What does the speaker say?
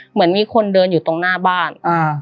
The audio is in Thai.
เหมือนมีคนเดินอยู่ตรงหน้าบ้าน